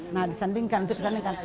nah disandingkan disandingkan